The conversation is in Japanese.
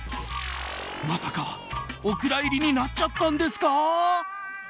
まさかお蔵入りになっちゃったんですか？